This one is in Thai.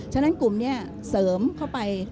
ฉะนั้นกลุ่มนี้เสริมเข้าไป